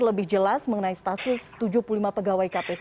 lebih jelas mengenai status tujuh puluh lima pegawai kpk